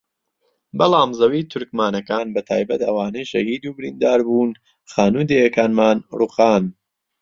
بەڵام زەوی تورکمانەکان بەتایبەت ئەوانەی شەهید و بریندار بوون خانوو و دێیەکانمان رووخان